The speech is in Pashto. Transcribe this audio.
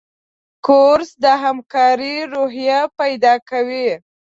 کورس د همکارۍ روحیه پیدا کوي.